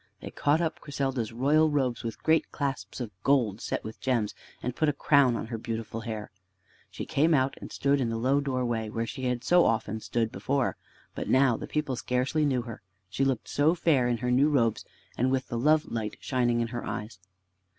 They caught up Griselda's royal robes with great clasps of gold set with gems, and put a crown on her beautiful hair. She came out and stood in the low doorway, where she had so often stood before. But now the people scarcely knew her: she looked so fair in her new robes and with the love light shining in her eyes.